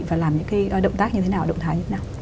và làm những cái động tác như thế nào động thái như thế nào